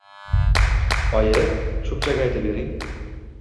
Oyi, cho‘pchak aytib bering.